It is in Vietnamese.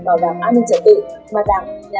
chủ động bám sát thực tiễn và tăng tính sự báo